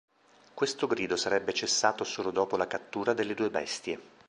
Questo grido sarebbe cessato solo dopo la cattura delle due bestie.